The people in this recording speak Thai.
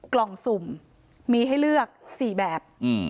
กล่องสุ่มมีให้เลือก๔แบบ